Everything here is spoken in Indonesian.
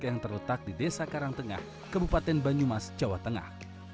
yang terletak di desa karangtengah kebupaten banyumas jawa tengah